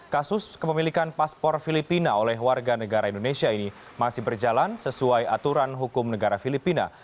kasus kepemilikan paspor filipina oleh warga negara indonesia ini masih berjalan sesuai aturan hukum negara filipina